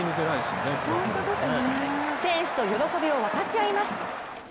選手と喜びを分かち合います。